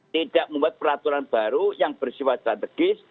tidak membuat peraturan baru yang bersifat strategis